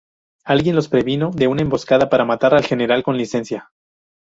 Alguien los previno de una emboscada para matar al general con licencia.